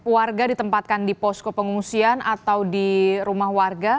warga ditempatkan di posko pengungsian atau di rumah warga